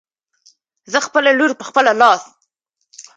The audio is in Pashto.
زه خپله لور په خپل لاس